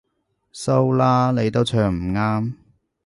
收啦，你都唱唔啱